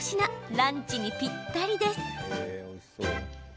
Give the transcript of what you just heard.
ランチにぴったりです。